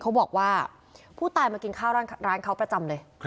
เขาบอกว่าผู้ตายมากินข้าวร้านเขาประจำเลย